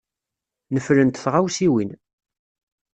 Neflent tɣawsiwin.